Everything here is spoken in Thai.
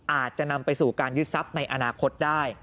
อาจจะนำไปสู่การยึดทรัพย์ในอนาคตได้